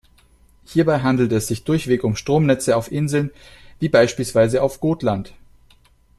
Hierbei handelt es sich durchweg um Stromnetze auf Inseln, wie beispielsweise auf Gotland.